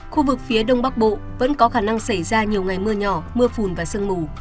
khu vực phía đông bắc bộ vẫn có khả năng xảy ra nhiều ngày mưa nhỏ mưa phùn và sương mù